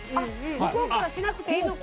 向こうからしなくていいのか。